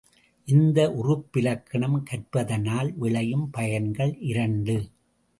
இந்த உறுப்பிலக்கணம் கற்பதனால் விளையும் பயன்கள் இரண்டு.